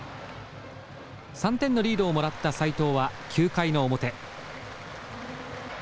３点のリードをもらった斎藤は９回の表。